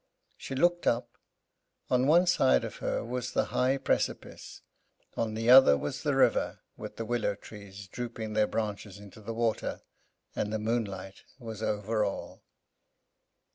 She looked up: on one side of her was the high precipice, on the other was the river, with the willow trees, drooping their branches into the water; and the moonlight was over all.